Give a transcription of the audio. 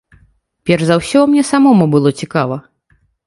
Перш за ўсё, мне самому было цікава.